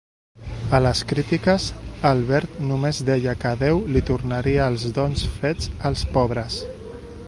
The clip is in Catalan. A les crítiques, Albert només deia que Déu li tornaria els dons fets als pobres.